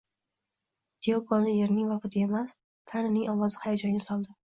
Tiyokoni erining vafoti emas, Tanining ovozi hayajonga soldi